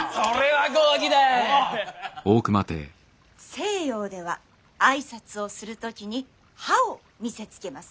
西洋では挨拶をする時に歯を見せつけます。